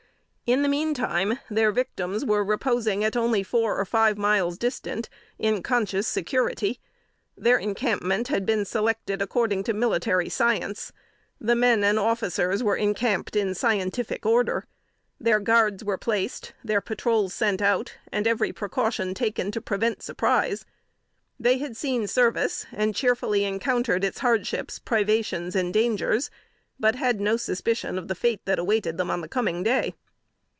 In the meantime, their victims were reposing at only four or five miles distant in conscious security. Their encampment had been selected according to military science. The men and officers were encamped in scientific order. Their guards were placed, their patrols sent out, and every precaution taken to prevent surprise. They had seen service, and cheerfully encountered its hardships, privations, and dangers, but had no suspicion of the fate that awaited them on the coming day.